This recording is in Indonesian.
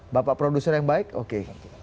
bapak produser yang baik oke